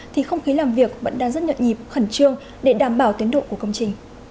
thì không khí làm việc vẫn đang rất nhộn nhịp khẩn trương để đảm bảo tiến độ của công trình